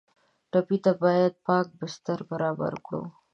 ټپي ته باید پاک بستر برابر کړو.